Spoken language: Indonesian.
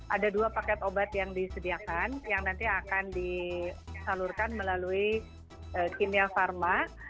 ada dua paket obat yang disediakan yang nanti akan disalurkan melalui kimia pharma